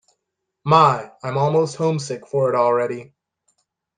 My, I'm almost homesick for it already.